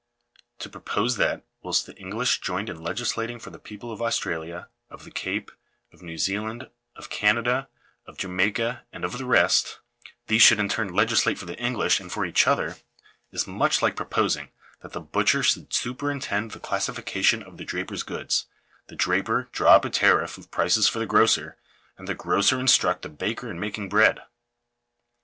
To propose that, whilst the English joined in legislating for the people of Australia, of the Cape, of New Zealand, of Canada, of Jamaica, and of the rest, these should in turn legislate for the English, and for each other, is much like proposing that the butcher should superintend the classification of the draper's goods, the draper draw up a tariff of prices for the grocer, and the grocer instruct the baker in making bread.